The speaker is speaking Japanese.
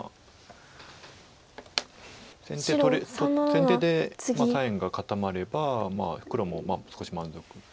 先手で左辺が固まれば黒も少し満足。